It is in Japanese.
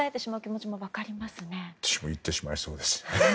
私も言ってしまいそうです。